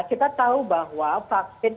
kita tahu bahwa vaksin